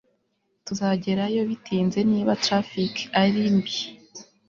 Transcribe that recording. tuzagerayo bitinze niba traffic ari mbi